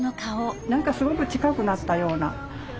何かすごく近くなったような。